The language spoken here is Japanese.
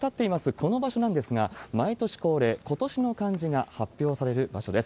この場所なんですが、毎年恒例、今年の漢字が発表される場所なんです。